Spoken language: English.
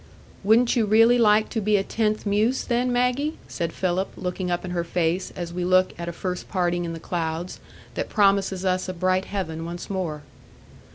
"Wouldn't you really like to be a tenth Muse, then, Maggie?" said Philip looking up in her face as we look at a first parting in the clouds that promises us a bright heaven once more.